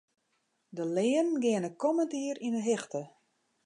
De leanen geane kommend jier yn 'e hichte.